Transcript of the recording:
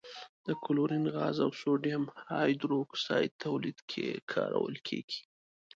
د کلورین غاز او سوډیم هایدرو اکسایډ تولید کې کارول کیږي.